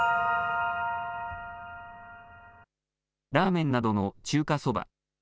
ラーメンなどの中華そば。